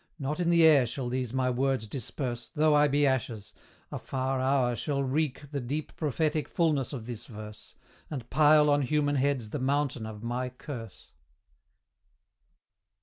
Not in the air shall these my words disperse, Though I be ashes; a far hour shall wreak The deep prophetic fulness of this verse, And pile on human heads the mountain of my curse!